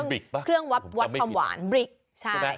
อันนี้คือเครื่องวัดความหวานบริกใช่